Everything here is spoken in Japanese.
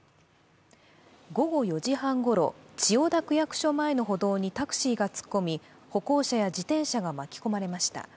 午後４時半ごろ、千代田区役所の前の歩道にタクシーが突っ込み歩行者や自転車が巻き込まれました。